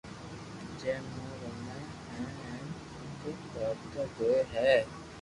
جي مون رمي ھي ھين رگو ڪارٽون جوئي ھي